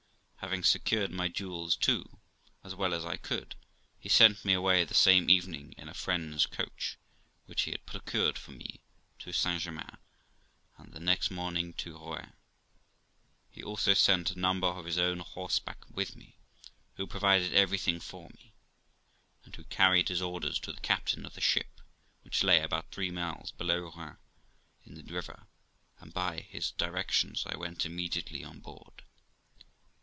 Having secured my jewels too, as well as I could, he sent me away the same evening in a friend's coach, which he had procured for me, to St Germain, and the next morning to Rouen. He also sent a servant of his own on horseback with me, who provided everything for me, and who carried his orders to the captain of the ship, which lay about three miles below Rouen, in the river, and by his directions I went immediately on board.